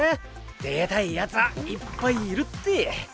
出たい奴はいっぱいいるって。